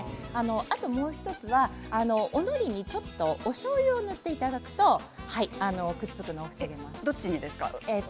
あと、もう１つはのりにおしょうゆを塗っていただくとくっつくのを防ぐことができます。